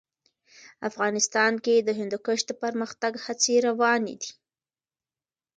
افغانستان کې د هندوکش د پرمختګ هڅې روانې دي.